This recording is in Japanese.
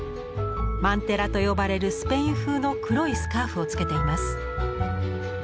マンテラと呼ばれるスペイン風の黒いスカーフをつけています。